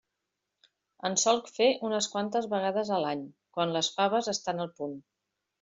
En solc fer unes quantes vegades a l'any, quan les faves estan al punt.